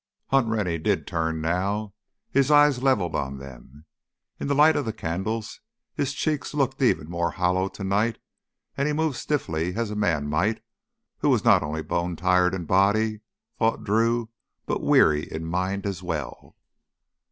Hunt Rennie did turn now. His eyes leveled on them. In the light of the candles his cheeks looked even more hollow tonight, and he moved stiffly as might a man who was not only bone tired in body, thought Drew, but weary in mind as well.